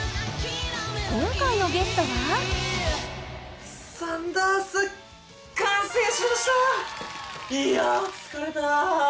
今回のゲストはいやあ疲れた。